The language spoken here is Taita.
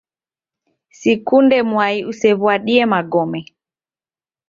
Sikunde mwai usew'uadie magome.